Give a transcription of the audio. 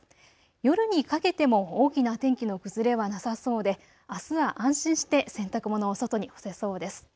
夜にかけても大きな天気の崩れはなさそうであすは安心して洗濯物を外に干せそうです。